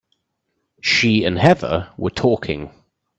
She and Heather were talking.